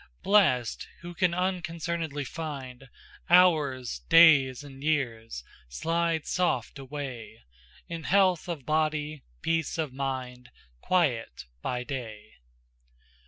Blest, who can unconcern'dly find Hours, days, and years, slide soft away In health of body, peace of mind, Quiet by day.